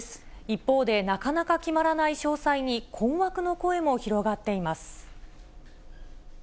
一方で、なかなか決まらない詳細に困惑の声も広がっています。